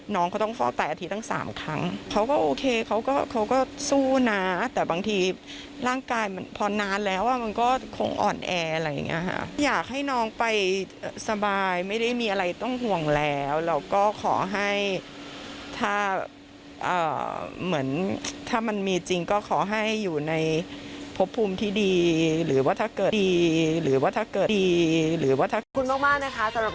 น้องเขาต้องคลอดตายอาทิตย์ตั้งสามครั้งเขาก็โอเคเขาก็เขาก็สู้นะแต่บางทีร่างกายมันพอนานแล้วอ่ะมันก็คงอ่อนแออะไรอย่างเงี้ยค่ะอยากให้น้องไปสบายไม่ได้มีอะไรต้องห่วงแล้วเราก็ขอให้ถ้าเหมือนถ้ามันมีจริงก็ขอให้อยู่ในพบภูมิที่ดีหรือว่าถ้าเกิดดีหรือว่าถ้าเกิดดีหรือว่าถ้าขอบคุณมากมากนะคะสำหรับ